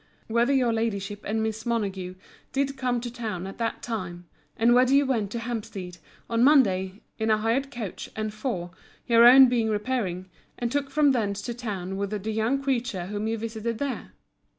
Whether your Ladyship and Miss Montague did come to town at that time; and whether you went to Hampstead, on Monday, in a hired coach and four, your own being repairing, and took from thence to town with the young creature whom you visited there?